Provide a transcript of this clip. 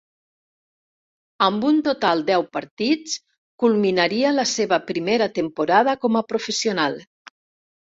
Amb un total deu partits, culminaria la seva primera temporada com a professional.